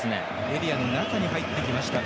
エリアの中入ってきました。